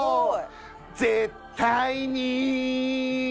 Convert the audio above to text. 絶対に。